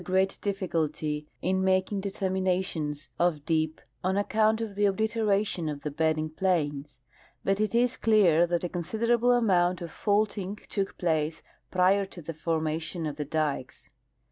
57 great difficulty in inaking determinations of dijj on account of the obliteration of the bedding planes ; Ijut it is clear that a considerable amount of faulting took place prior to the forma tion of the dikes.